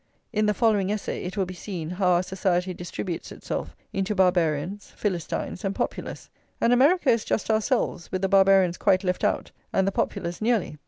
In the following essay it will be seen how our society distributes itself into Barbarians, Philistines, and Populace; and America is just ourselves, with the Barbarians quite left out, and the Populace nearly.